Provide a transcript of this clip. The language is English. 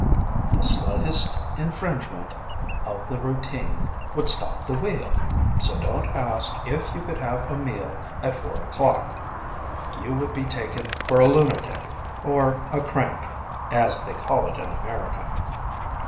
The slightest infringement of the routine would stop the wheel, so don't ask if you could have a meal at four o'clock; you would be taken for a lunatic, or a crank (as they call it in America).